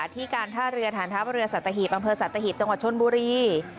ที่การท่าเรือฐานทัพเรือสัตธาฮีบบสัตธาฮีบจช่วงบุรี